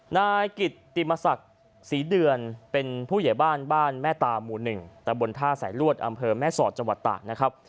นายกิตติมศักดิ์ศรีเดือนเป็นผู้ใหญ่บ้านบ้านแม่ตาหมู่๑ตะบนท่าสายลวดอำเภอแม่สอดจังหวัดตากนะครับ